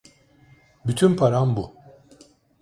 Bütün param bu.